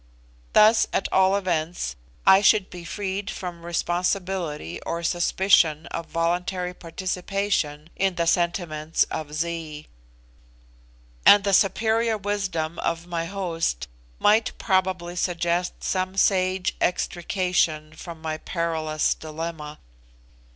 Thus, at all events, I should be freed from responsibility or suspicion of voluntary participation in the sentiments of Zee; and the superior wisdom of my host might probably suggest some sage extrication from my perilous dilemma.